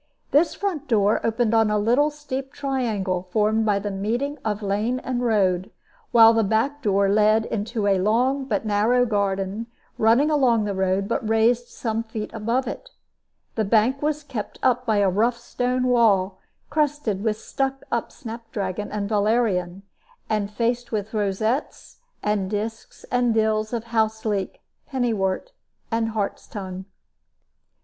This front door opened on the little steep triangle formed by the meeting of lane and road, while the back door led into a long but narrow garden running along the road, but raised some feet above it; the bank was kept up by a rough stone wall crested with stuck up snap dragon and valerian, and faced with rosettes and disks and dills of houseleek, pennywort, and hart's tongue.